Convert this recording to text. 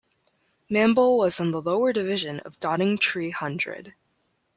Mamble was in the lower division of Doddingtree Hundred.